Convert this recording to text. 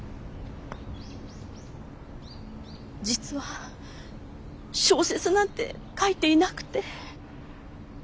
実は小説なんて書いていなくて。